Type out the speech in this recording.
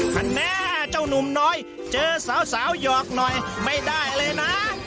คะแนนแน่เจ้านุ่มน้อยเจอสาวหยอกหน่อยไม่ได้เลยนะ